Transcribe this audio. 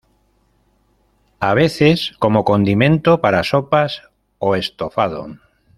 A veces como condimento para sopas o estofado.